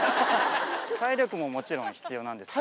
体力ももちろん必要なんです